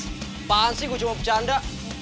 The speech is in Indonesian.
pahan sih gue cuma bercanda